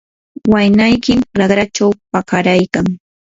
waynaykim raqrachaw pakaraykan.